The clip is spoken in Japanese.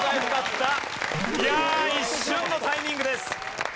いやあ一瞬のタイミングです。